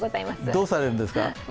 どうされるんですか？